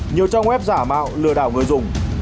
nhiều trong web giả mạo lừa đảo người dùng